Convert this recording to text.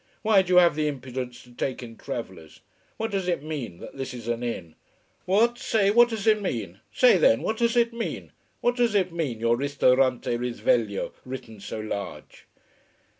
Why do you have the impudence to take in travellers? What does it mean, that this is an inn? What, say, what does it mean? Say then what does it mean? What does it mean, your Ristorante Risveglio, written so large?"